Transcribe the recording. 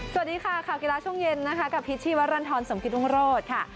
สวัสดีค่ะข่าวกีฬาช่วงเย็นนะคะกับพิษชีวรรณฑรสมกิตรุงโรธค่ะ